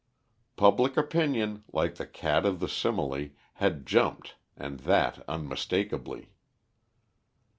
Public opinion, like the cat of the simile, had jumped, and that unmistakably.